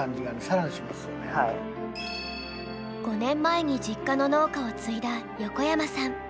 ５年前に実家の農家を継いだ横山さん。